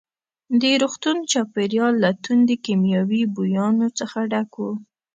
د روغتون چاپېریال له توندو کیمیاوي بویانو څخه ډک وو.